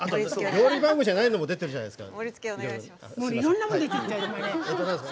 料理番組じゃないのも出てるじゃないですか。